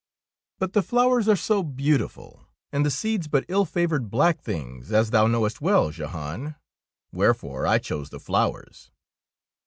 "But the fiowers are so beautiful, and the seeds but ill favoured black things, as thou knowest well, Jehan, wherefore I chose the flowers.